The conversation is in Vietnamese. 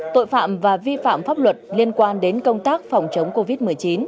tội phạm và vi phạm pháp luật liên quan đến công tác phòng chống covid một mươi chín